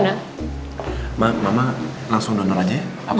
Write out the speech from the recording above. terus bangun udah bijik